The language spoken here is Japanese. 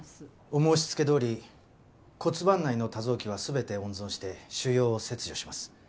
お申し付けどおり骨盤内の他臓器は全て温存して腫瘍を切除します。